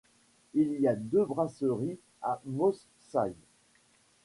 Il y a deux brasseries à Moss Side.